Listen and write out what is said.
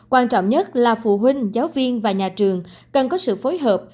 quan trọng nhất là phụ huynh giáo viên và nhà trường cần có sự phối hợp